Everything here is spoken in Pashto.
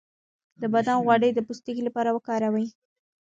د بادام غوړي د پوستکي لپاره وکاروئ